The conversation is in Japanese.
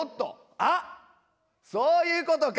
あっそういうことか。